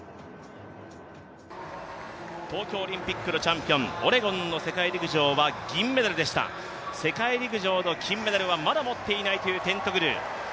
東京オリンピックのチャンピオン、オレゴンの世界陸上は銀メダルでした、世界陸上の金メダルはまだ持っていないというテントグル。